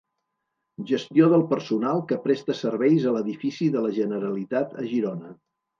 Gestió del personal que presta serveis a l'edifici de la Generalitat a Girona.